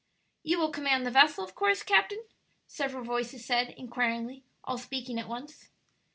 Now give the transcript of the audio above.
"You will command the vessel, of course, captain?" several voices said, inquiringly, all speaking at once.